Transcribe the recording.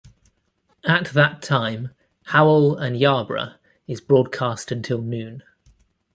At that time, Howell and Yarbrough is broadcast until noon.